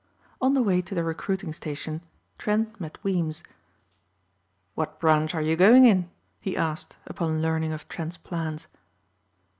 On the way to the recruiting station, Trent met Weems. "What branch are you going in?" he asked upon learning of Trent's plans.